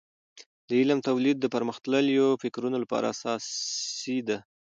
د علم تولید د پرمختللیو فکرونو لپاره اساسي ده.